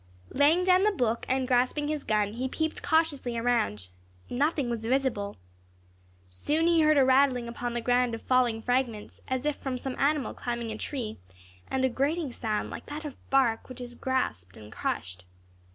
Laying down the book, and grasping his gun, he peeped cautiously around; nothing was visible. Soon he heard a rattling upon the ground of falling fragments, as if from some animal climbing a tree, and a grating sound like that of bark which is grasped and crushed.